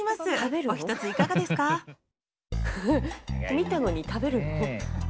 見たのに食べるの？